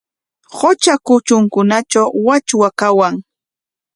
Qutra kutrunkunatraw wachwa kawan.